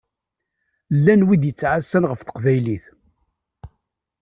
Llan wid yettɛassan ɣef teqbaylit.